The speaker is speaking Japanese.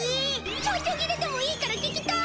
ちょちょぎれてもいいから聞きたい！